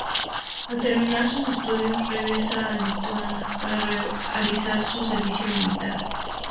Al terminar sus estudios regresa a Lituania para realizar su servicio militar.